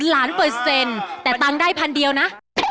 ล้านเปอร์เซ็นต์แต่ตังค์ได้พันเดียวนะ